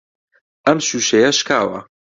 ئەم شووشەیە شکاوە.